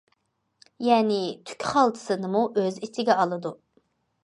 يەنى تۈك خالتىسىنىمۇ ئۆز ئىچىگە ئالىدۇ.